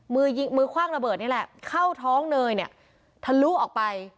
มือยิงมือคว่างระเบิดนี่แหละเข้าท้องเนยเนี่ยทะลุออกไป